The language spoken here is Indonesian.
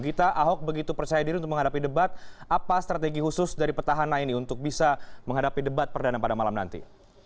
gita ahok begitu percaya diri untuk menghadapi debat apa strategi khusus dari petahana ini untuk bisa menghadapi debat perdana pada malam nanti